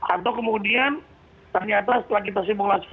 atau kemudian ternyata setelah kita simulasi